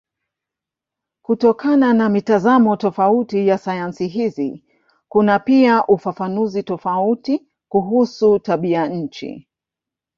Kutokana na mitazamo tofauti ya sayansi hizi kuna pia ufafanuzi tofauti kuhusu tabianchi.